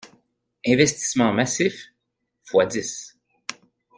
Investissements massifs, fois dix.